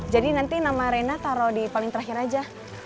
jadi nanti nama reina taro di paling terakhir aja